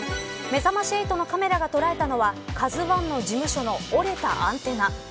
めざまし８のカメラが捉えたのはＫＡＺＵ１の事務所の折れたアンテナ。